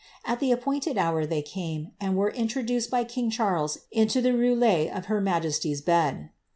At the appointed hour they came, and were introduced by king Charles into the ruelle of her majesty^s bed.'